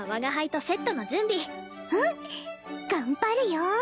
頑張るよ！